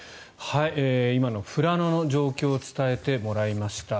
今の富良野の状況を伝えてもらいました。